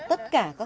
mới cái bảy tuổi